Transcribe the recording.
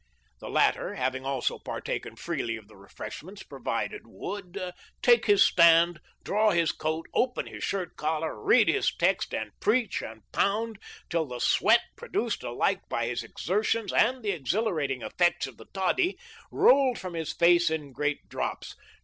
The latter, having also partaken freely of the refreshments provided, would " take his stand, draw his coat, open his shirt collar, read his text, and preach and pound till the sweat, produced alike by his exertions and the exhilarating effects of the toddy, rolled from his face in great drops.